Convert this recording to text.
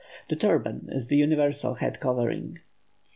The turban is the universal head covering.